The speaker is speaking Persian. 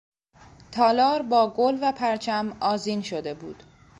تالار با گل و پرچم آذین شده بود.